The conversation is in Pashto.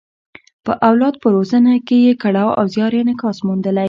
په اولاد په روزنه کې یې کړاو او زیار انعکاس موندلی.